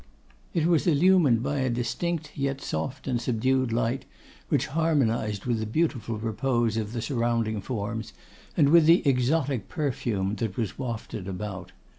It was illumined by a distinct, yet soft and subdued light, which harmonised with the beautiful repose of the surrounding forms, and with the exotic perfume that was wafted about.